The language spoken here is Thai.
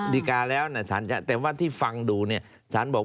ดีการ์แล้วที่ฟังดูเนี่ยศาลบอก